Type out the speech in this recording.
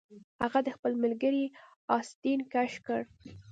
هغه د خپل ملګري آستین کش کړ